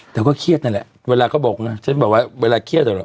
แต่ก็เครียดนั่นแหละเวลาก็บอกนะฉันบอกว่าเวลาเครียด